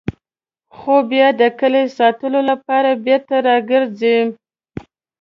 خو بیا د کلي ساتلو لپاره بېرته راګرځي.